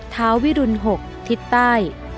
เท้าวิรุณหกษ์ทิศใต้